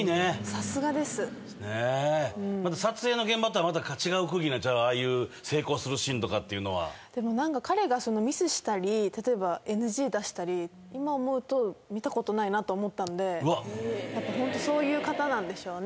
さすがです撮影の現場とはまた違う空気なんちゃうああいう成功するシーンとかっていうのはでも何か彼がミスしたり例えばＮＧ出したり今思うと見たことないなと思ったんでやっぱホントそういう方なんでしょうね